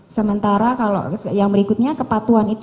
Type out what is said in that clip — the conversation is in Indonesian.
sementara kalau yang berikutnya